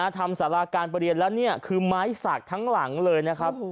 ทำสาราการประเรียนแล้วนี่คือไม้สักทั้งหลังเลยนะครับ